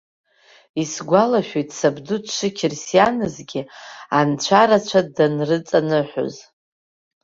Исгәалашәоит, сабду дшықьырсианызгьы анцәарацәа данрыҵаныҳәоз.